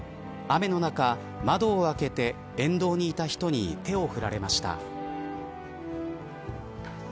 雨の中、窓を開けて沿道にいた人に手を振られました。